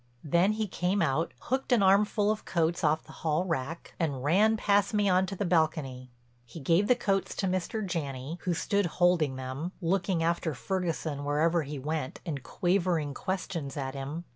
Then he came out, hooked an armful of coats off the hall rack, and ran past me on to the balcony. He gave the coats to Mr. Janney, who stood holding them, looking after Ferguson wherever he went and quavering questions at him.